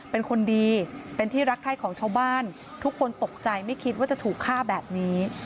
เป็นคนดีเป็นที่รักไข้ของชาวบ้านทุกคนตกใจไม่คิดว่าจะถูกฆ่าแบบนี้